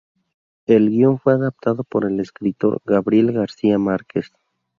El guión fue adaptado por el escritor Gabriel García Márquez.